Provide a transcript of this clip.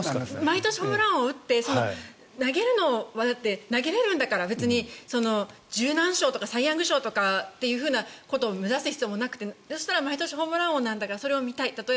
毎年ホームラン王、打って投げるほうも投げられるんだから別に１０何勝とかサイ・ヤング賞とか目指す必要もなくて、そしたら毎年ホームラン王なんだからそれを見たい。